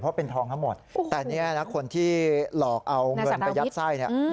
เพราะเป็นทองทั้งหมดแต่เนี่ยนะคนที่หลอกเอาเงินไปยัดไส้เนี่ย